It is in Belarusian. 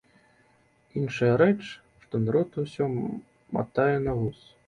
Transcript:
Іншая рэч, што народ усё матае на вус.